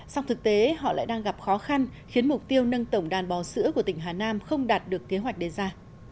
song thực tế họ lại đang gặp khó khăn khiến mục tiêu nâng tổng đàn bò sữa của tỉnh hà nam không đạt được kế hoạch đề ra